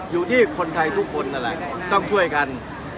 อยู่ที่คนไทยทุกคนนั่นแหละต้องช่วยกัน